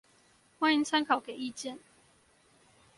歡迎參考給意見